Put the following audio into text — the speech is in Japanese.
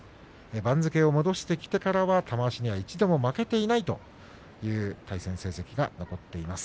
番付を戻してきてからは玉鷲には一度も負けていないという成績を保っています。